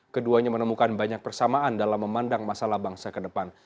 keduanya menemukan banyak persamaan dalam memandang masalah bangsa ke depan